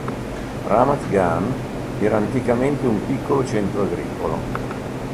Ramat Gan era anticamente un piccolo centro agricolo.